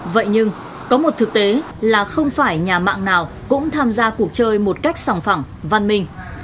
vậy nhưng có một thực tế là không phải nhà mạng nào cũng tham gia cuộc chơi một cách sòng phẳng văn minh